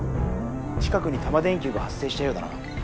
近くにタマ電Ｑが発生したようだな。